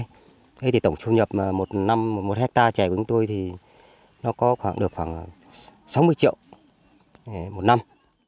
thế thì tổng trung nhập một hectare chè của chúng tôi thì nó có được khoảng sáu mươi triệu một năm